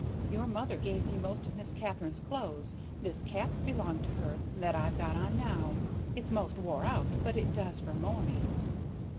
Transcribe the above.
"Your mother gave me most of Miss Katharine's clothes; this cap belonged to her, that I've got on now; it's 'most wore out, but it does for mornings."